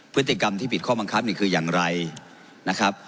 พฤติกรรมที่ผิดข้อบังคับนี่คืออย่างไรนะครับ